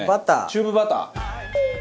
チューブバター。